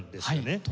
はい。